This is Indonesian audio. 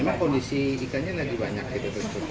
emang kondisi ikannya lagi banyak gitu